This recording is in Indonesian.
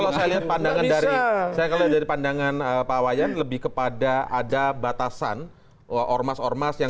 jadi kalau saya lihat pandangan dari saya kalau dari pandangan pak wayan lebih kepada ada batasan ormas ormas yang